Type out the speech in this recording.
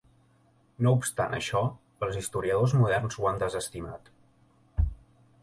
No obstant això, els historiadors moderns ho han desestimat.